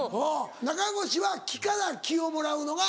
中越は木から気をもらうのが。